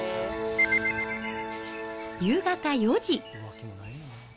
夕方４時。